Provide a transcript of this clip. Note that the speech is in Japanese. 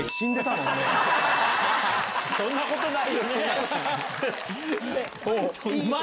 そんなことないよね。